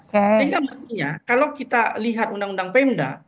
sehingga mestinya kalau kita lihat undang undang pemda